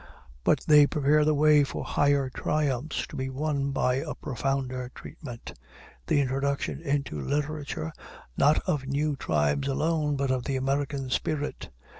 But they prepare the way for higher triumphs to be won by a profounder treatment, the introduction into literature, not of new tribes alone, but of the American spirit.